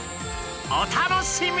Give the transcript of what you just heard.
お楽しみに！